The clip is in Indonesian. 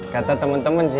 kata temen temen sih